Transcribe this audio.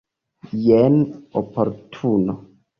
Jen oportuno.